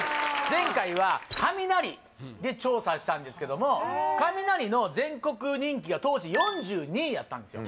前回はカミナリで調査したんですけどもカミナリの全国人気が当時４２位やったんですよ